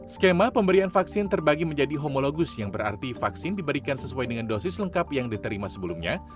skema pemberian vaksin terbagi menjadi homologus yang berarti vaksin diberikan sesuai dengan dosis lengkap yang diterima sebelumnya